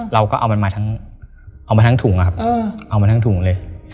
เราก็เอามาทั้งถุงเลย